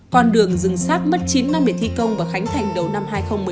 con đường dương sác mất chín năm để thi công và khánh thành đầu năm hai nghìn một mươi một